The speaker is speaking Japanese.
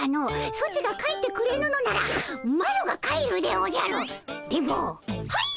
ソチが帰ってくれぬのならマロが帰るでおじゃるっ！